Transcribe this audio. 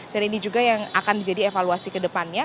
dan ini juga yang akan menjadi evaluasi ke depannya